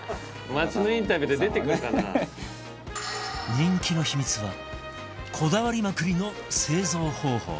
人気の秘密はこだわりまくりの製造方法